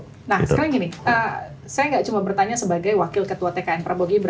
nah sekarang gini saya nggak cuma bertanya sebagai wakil ketua tkn prabowo gibran